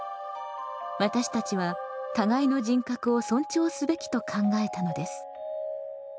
私たちは互いの人格を尊重すべきと考えたのです。